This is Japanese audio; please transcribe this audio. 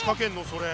それ。